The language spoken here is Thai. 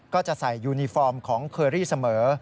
ก็จะใส่ยูนิฟอร์มของเคอรี่เสมอ